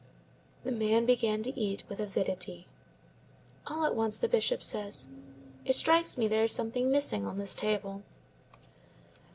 The man began to eat with avidity. All at once the Bishop said: "It strikes me there is something missing on this table."